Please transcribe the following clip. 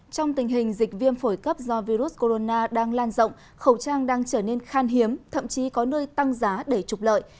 trong tình hình dịch viêm phổi cấp do virus corona đang lan rộng khẩu trang đang trở nên khan hiếm thậm chí có nơi tăng giá để trục lợi